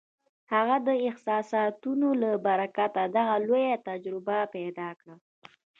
هغه د احساساتو له برکته دغه لویه تجربه پیدا کړه